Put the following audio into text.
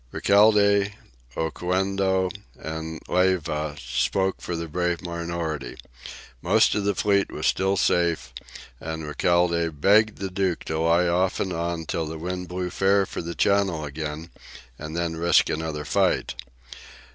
Recalde, Oquendo, and Leyva spoke for the brave minority. Most of the great fleet was still safe, and Recalde begged the Duke to lie off and on till the wind blew fair for the Channel again, and then risk another fight.